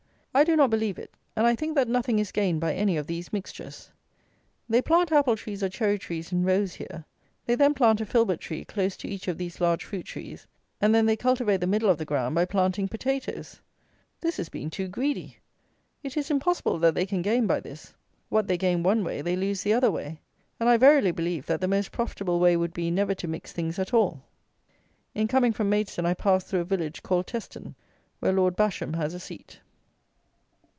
I do not believe it; and I think that nothing is gained by any of these mixtures. They plant apple trees or cherry trees in rows here; they then plant a filbert tree close to each of these large fruit trees; and then they cultivate the middle of the ground by planting potatoes. This is being too greedy. It is impossible that they can gain by this. What they gain one way they lose the other way; and I verily believe, that the most profitable way would be, never to mix things at all. In coming from Maidstone I passed through a village called Teston, where Lord Basham has a seat.